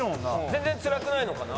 全然つらくないのかな？